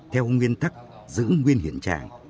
theo nguyên tắc giữ nguyên hiện trạng